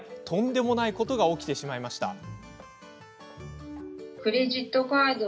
とんでもないことが起きてしまいました。